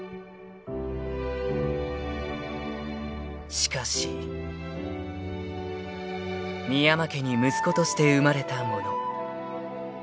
［しかし］［深山家に息子として生まれた者］